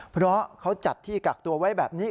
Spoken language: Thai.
เพราะเขาจัดที่กักตัวไว้แบบนี้